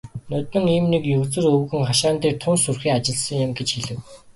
"Ноднин ийм нэг егзөр өвгөн хашаан дээр тун сүрхий ажилласан юм" гэж хэлэв.